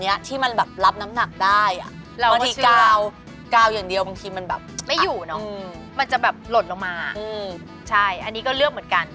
บางทีมันแบบไม่อยู่เนอะอืมมันจะแบบหล่นลงมาอืมใช่อันนี้ก็เลือกเหมือนกัน